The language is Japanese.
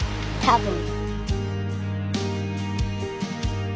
多分。